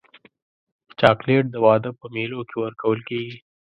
چاکلېټ د واده په مېلو کې ورکول کېږي.